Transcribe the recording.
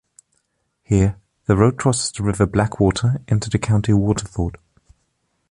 Here the road crosses the River Blackwater into County Waterford.